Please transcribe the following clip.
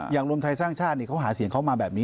รวมไทยสร้างชาติเขาหาเสียงเขามาแบบนี้